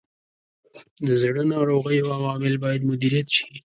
د زړه ناروغیو عوامل باید مدیریت شي.